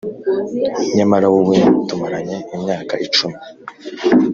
nyamara wowe tumaranye imyaka icumi